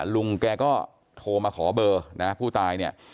ลุงแกก็โทรมาขอเบอร์นะผู้ตายเนี่ย